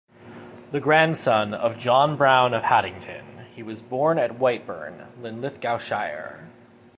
The grandson of John Brown of Haddington, he was born at Whitburn, Linlithgowshire.